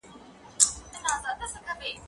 ايا ته زده کړه کوې،